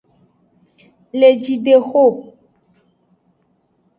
Lejidexo.